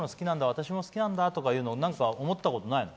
私も好きなんだとかいうの思ったことないの？